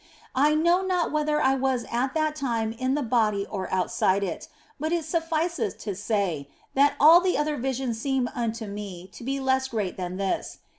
I know not whether I was at that time in the body or outside it, but it sufnceth to say that all the other visions seemed unto me to be less great than this.